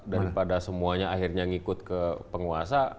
daripada semuanya akhirnya ngikut ke penguasa